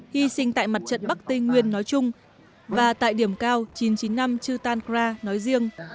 hy sinh tại mặt trận bắc tây nguyên nói chung và tại điểm cao chín trăm chín mươi năm chutankra nói riêng